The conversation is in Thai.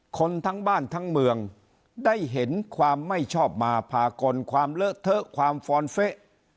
คนทั้งบ้านทั้งเมืองได้เห็นความไม่ชอบมาพากลความเลอะเทอะความฟอนเฟะ